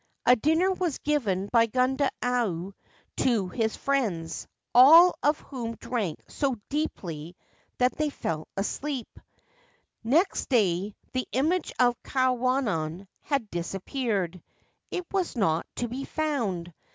A dinner was given by Gundayu to his friends, all of whom drank so deeply that they fell asleep. Next day the image of Kwannon had disappeared. It was not to be found.